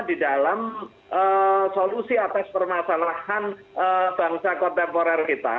di dalam solusi atas permasalahan bangsa kontemporer kita